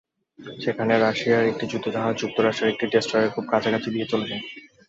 সেখানে রাশিয়ার একটি যুদ্ধজাহাজ যুক্তরাষ্ট্রের একটি ডেস্ট্রয়ারের খুব কাছাকাছি দিয়ে চলে যায়।